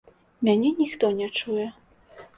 Мяне ніхто не чуе.